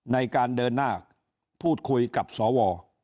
ในการเดินหน้าพูดคุยกับสว